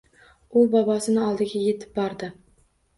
U bobosini oldiga yetib bordi.